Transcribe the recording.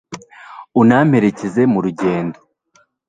unamperekeze mu rugendo